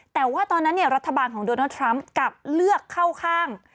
แต่ว่าตอนนั้นรัฐบาลของโดนัลดทรัมป์กลับเลือกเข้าข้าง